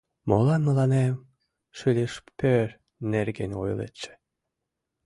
— Молан мыланем шилишпёр нерген ойлетше?